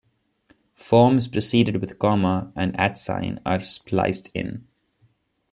Forms preceded with comma and at-sign are "spliced" in.